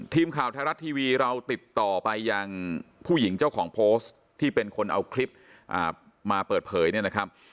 ทีมข่าวไทยรัฐทีวีเราติดต่อไปยังผู้หญิงเจ้าของโพสต์ที่เป็นคนเอาคลิปมาเปิดเผยเนี่ยนะครับ